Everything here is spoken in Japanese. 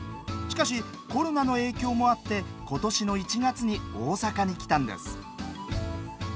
しかし、コロナの影響もあってことしの１月に大阪に来たんです。